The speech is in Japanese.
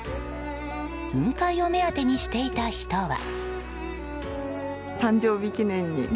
雲海を目当てにしていた人は。